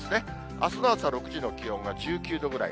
あすの朝６時の気温が１９度ぐらい。